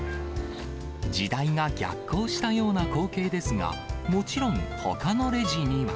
時代が逆行したような光景ですが、もちろん、ほかのレジには。